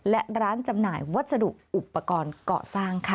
และร้านจำหน่ายวัสดุอุปกรณ์เกาะสร้างค่ะ